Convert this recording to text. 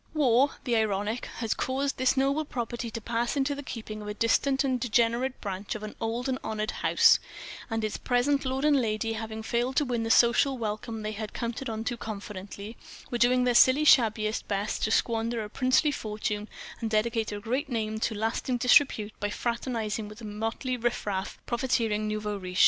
War, the ironic, had caused this noble property to pass into the keeping of a distant and degenerate branch of an old and honoured house; and its present lord and lady, having failed to win the social welcome they had counted on too confidently, were doing their silly, shabby best to squander a princely fortune and dedicate a great name to lasting disrepute by fraternizing with a motley riffraff of profiteering nouveaux riches.